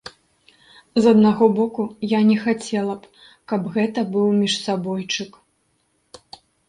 З аднаго боку, я не хацела б, каб гэта быў міжсабойчык.